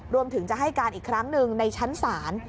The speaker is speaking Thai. รวมถึงจะให้การอีกครั้งหนึ่งในชั้นศาล